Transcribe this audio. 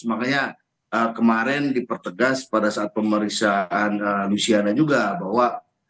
makanya kemarin dipertegas pada saat pemeriksaan luciana juga bahwa